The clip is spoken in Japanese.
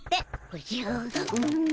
おじゃうぐ。